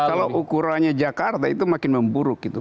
kalau ukurannya jakarta itu makin memburuk gitu